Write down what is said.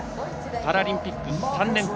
パラリンピック３連覇。